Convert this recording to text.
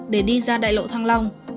để đi ra đại lộ thăng long